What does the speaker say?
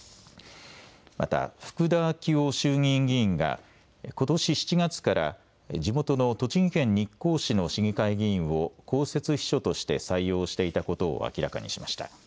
また福田昭夫衆議院議員がことし７月から地元の栃木県日光市の市議会議員を公設秘書として採用していたことを明らかにしました。